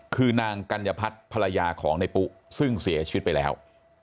คือนางกัญญพัฒน์ภรรยาของในปุ๊ซึ่งเสียชีวิตไปแล้ว